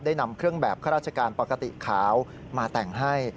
นำเครื่องแบบข้าราชการปกติขาวมาแต่งให้